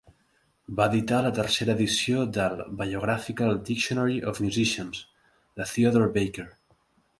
Va editar la tercera edició del "Biographical Dictionary of Musicians" de Theodore Baker.